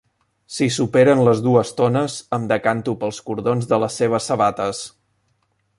Si superen les dues tones, em decanto pels cordons de les seves sabates